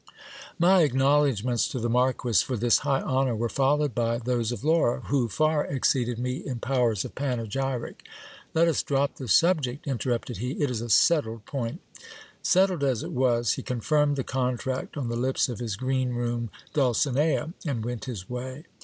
My acknowledgments to the marquis for this high honour were followed by those of Laura, who far exceeded me in powers of panegyric. Let us drop the subject, interrupted he ; it is a settled point Settled as it was, he con firmed the contract on the lips of his green room Dulcinea, and went his way.